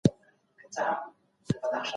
ماکیاولي او روسو مشهور سیاسي نظریه ورکوونکي دي.